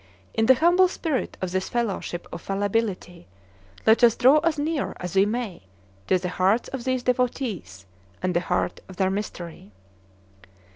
In the humble spirit of this fellowship of fallibility let us draw as near as we may to the hearts of these devotees and the heart of their mystery.